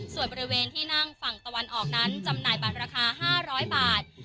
ส่วนบริเวณที่นั่งฝั่งตะวันออกนั้นจำหน่ายบัตรราคา๕๐๐บาท